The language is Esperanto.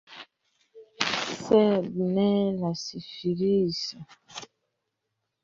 Sed ne la sifiliso.